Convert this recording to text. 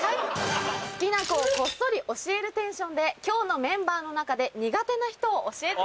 「好きな子をこっそり教えるテンションで今日のメンバーの中で苦手な人を教えてください」。